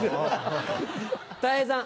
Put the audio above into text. たい平さん。